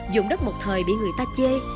dùng đất một thời bị người ta chê